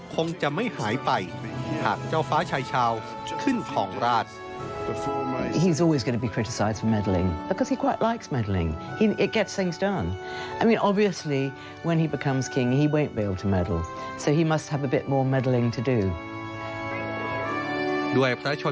คงจะไม่หายไปหากเจ้าฟ้าชายชาวขึ้นของราช